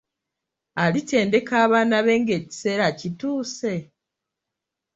Alitendeka abaana be ng'ekiseera kituuse?